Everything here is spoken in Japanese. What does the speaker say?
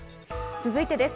続いてです。